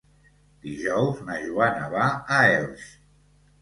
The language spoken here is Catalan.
Dijous na Joana va a Elx.